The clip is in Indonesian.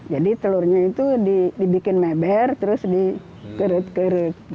jadi telurnya itu dibikin meber terus dikerut kerut